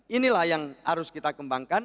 inilah yang harus kita kembangkan